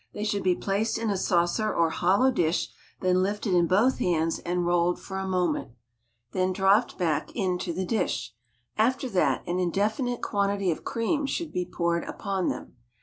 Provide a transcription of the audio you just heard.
They should be placed in a saucer or hollow dish, then lifted in both hands and rolled for a moment, then dropped back into the dish. After that an indefinite quantity of cream should be poured upon them.